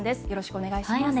お願いします。